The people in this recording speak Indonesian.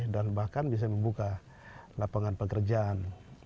bahkan bisa membuka lapangan pekerjaan